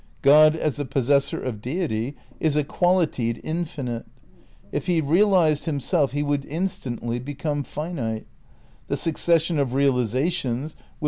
"God, as the possessor of Deity ... is a quali tied infinite. " If he realised himself, he would instant ly become finite; the succession of realisations would 'Space, Time and Deity, Vol.